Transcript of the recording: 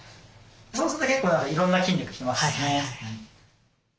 そうすると結構いろんな筋肉つきますね。